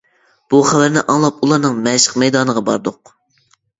بۇ خەۋەرنى ئاڭلاپ ئۇلارنىڭ مەشىق مەيدانىغا باردۇق.